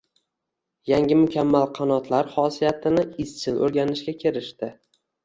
yangi mukammal qanotlar xosiyatini izchil o‘rganishga kirishdi.